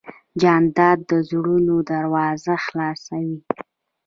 جانداد د زړونو دروازه خلاصوي.